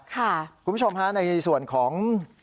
คุณผู้ชมฮะในส่วนของ